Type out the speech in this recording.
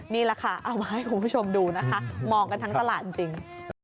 นี่แหละค่ะเอามาให้คุณผู้ชมดูนะคะมองกันทั้งตลาดจริง